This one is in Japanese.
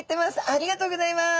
ありがとうございます！